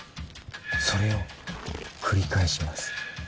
それを繰り返します。